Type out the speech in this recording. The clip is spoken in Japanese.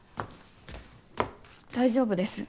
大丈夫です。